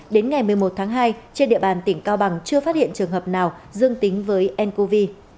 đến ngày một mươi một tháng hai trên địa bàn tỉnh cao bằng chưa phát hiện trường hợp nào dương tính với ncov